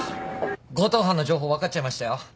強盗犯の情報分かっちゃいましたよ。